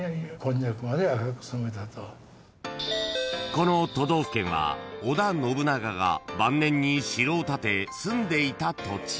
［この都道府県は織田信長が晩年に城を建て住んでいた土地］